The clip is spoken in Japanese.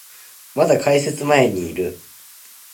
まだ改札前にいる